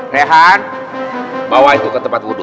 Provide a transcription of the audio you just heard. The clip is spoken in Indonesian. rehan bawa itu ke tempat wudhu